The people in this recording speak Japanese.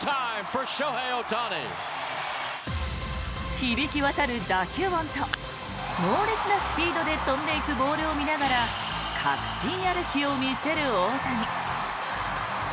響き渡る打球音と猛烈なスピードで飛んでいくボールを見ながら確信歩きを見せる大谷。